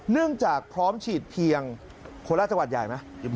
เนื่องจากพร้อมฉีดเพียงโคราชจังหวัดใหญ่ไหม